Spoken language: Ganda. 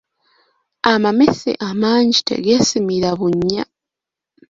Amamese amangi tegeesimira bunnya.